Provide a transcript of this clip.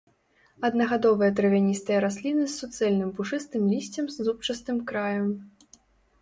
Аднагадовыя травяністыя расліны з суцэльным пушыстым лісцем з зубчастым краем.